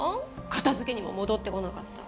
片づけにも戻ってこなかった。